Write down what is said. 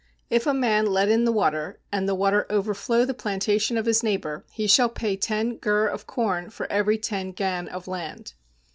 If a man let in the water, and the water overflow the plantation of his neighbor, he shall pay ten gur of corn for every ten gan of land.